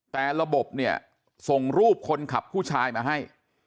แต่ระบบเนี่ยส่งรูปคนขับผู้ชายมาให้